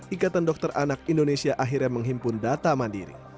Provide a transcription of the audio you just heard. ikatan dokter anak indonesia akhirnya menghimpun data mandiri